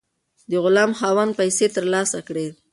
د غلام خاوند پیسې ترلاسه کړې.